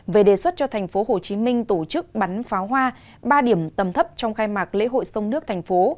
về đề xuất cho tp hcm tổ chức bắn pháo hoa ba điểm tầm thấp trong khai mạc lễ hội sông nước thành phố